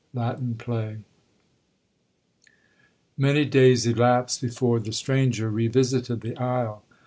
LATIN PLAY 'Many days elapsed before the stranger revisited the isle.